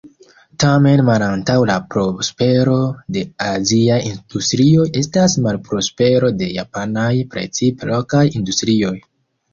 Tamen malantaŭ la prospero de aziaj industrioj estas malprospero de japanaj, precipe lokaj industrioj.